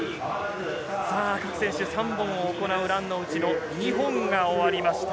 各選手３本を行うランの内の２本が終わりました。